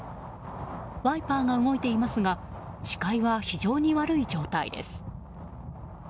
ワイパーが動いていますが視界は非常に悪い状態です。